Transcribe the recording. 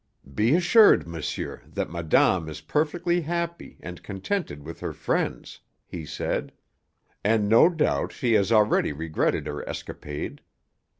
"Be assured, monsieur, that madame is perfectly happy and contented with her friends," he said. "And no doubt she has already regretted her escapade.